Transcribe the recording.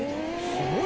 「すごい！」